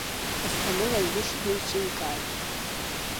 Асҭамыр аҩны шԥеиҿикааи!